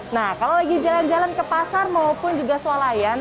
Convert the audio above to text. nah kalau lagi jalan jalan ke pasar maupun juga sualayan